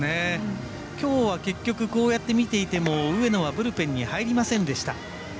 きょうは結局こうやって見ていても上野はブルペンに入りませんでした。